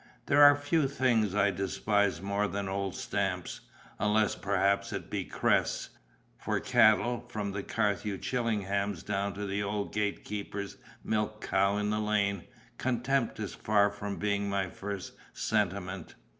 There are few things I despise more than old stamps, unless perhaps it be crests; for cattle (from the Carthew Chillinghams down to the old gate keeper's milk cow in the lane) contempt is far from being my first sentiment.